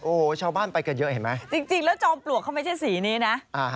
โอ้โหชาวบ้านไปกันเยอะเห็นไหมจริงแล้วจอมปลวกเขาไม่ใช่สีนี้นะ